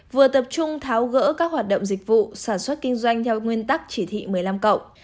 vừa tập trung tháo gỡ các hoạt động dịch vụ sản xuất kinh doanh theo nguyên tắc chỉ thị một mươi năm cộng